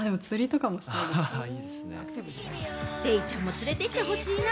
デイちゃんも連れてってほしいな。